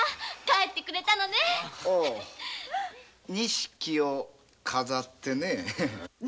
帰ってくれたのねおぅ錦を飾ってね。